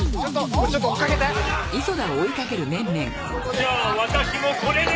じゃあ私もこれで。